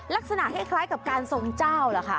ลักษณะให้คล้ายกับการทรงเจ้า